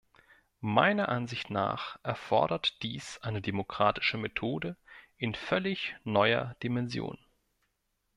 Meiner Ansicht nach erfordert dies eine demokratische Methode in völlig neuer Dimension.